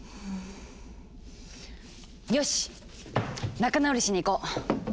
よし仲直りしに行こう！